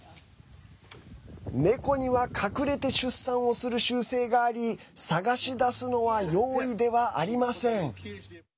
猫には隠れて出産をする習性があり探し出すのは容易ではありません。